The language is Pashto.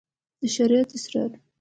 د شريعت اسرار